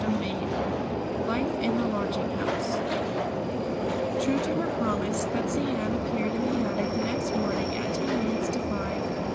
CHAPTER XV LIFE IN THE LODGING HOUSE True to her promise, Betsey Ann appeared in the attic the next morning at ten minutes to five.